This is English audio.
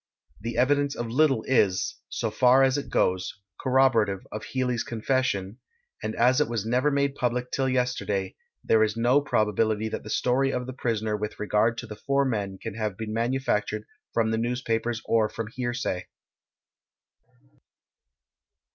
The evidence of Little is, so far as it goes, corroborative of Healey's confession, and as it was never made public till yesterday, there is no probability that the story of the prisoner with regard to the four men can have been manufactured from the newspapers or from hearsay.